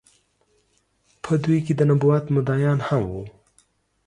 په دوی کې د نبوت مدعيانو هم وو